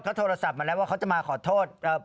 เขาโทรศัพท์มาแล้วว่าเขาจะมาขอโทษ